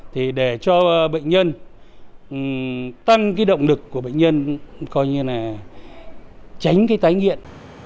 thì để cho bệnh nhân tăng cái động lực của bệnh nhân coi như là tránh cái tái nghiện